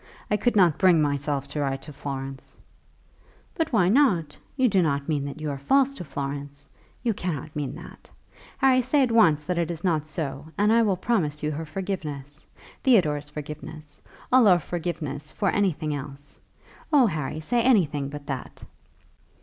I could not bring myself to write to Florence." "But why not? You do not mean that you are false to Florence. You cannot mean that. Harry, say at once that it is not so, and I will promise you her forgiveness, Theodore's forgiveness, all our forgiveness for anything else. Oh, Harry, say anything but that."